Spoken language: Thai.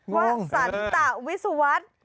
วสันตวิสุวรรษ